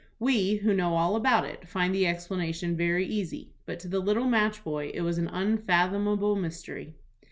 We, who know all about it, find the explanation very easy, but to the little match boy it was an unfathomable mystery.